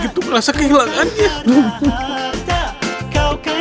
aku merasa kehilangannya